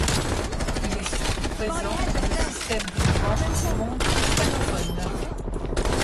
Il est surtout présent dans le système du droit du monde hispanophone.